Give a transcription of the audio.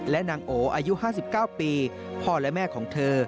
และนางโออายุ๕๙ปีพ่อและแม่ของเธอ